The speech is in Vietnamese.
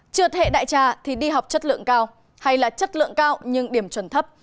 trượt hệ đại trà thì đi học chất lượng cao hay là chất lượng cao nhưng điểm chuẩn thấp